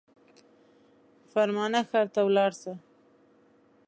فرمانه ښار ته ولاړ سه.